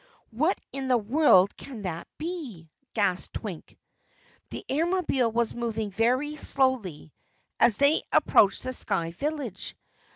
"What in the world can that be?" gasped Twink. The Airmobile was moving very slowly as they approached the sky village.